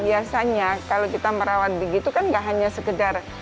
biasanya kalau kita merawat begitu kan gak hanya sekedar